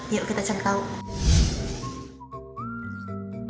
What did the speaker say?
yuk kita cari tahu